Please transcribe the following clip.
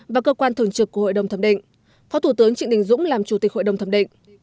và cơ quan thường trực của hội đồng thẩm định phó thủ tướng trịnh đình dũng làm chủ tịch hội đồng thẩm định